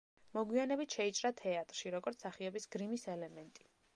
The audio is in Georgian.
მოგვიანებით შეიჭრა თეატრში, როგორც მსახიობის გრიმის ელემენტი.